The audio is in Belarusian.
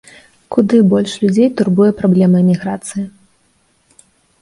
Куды больш людзей турбуе праблема эміграцыі.